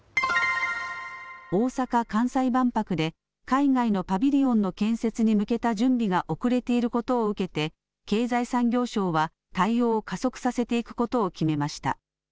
大阪・関西万博で海外のパビリオンの建設に向けた準備が遅れていることを受けて経済産業省は対応を加速させていくことを決めました。